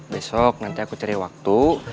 besok nanti aku cari waktu